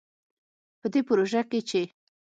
په دې پروژه کې چې